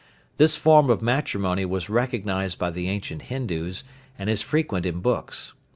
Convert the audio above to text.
This form of matrimony was recognised by the ancient Hindus, and is frequent in books.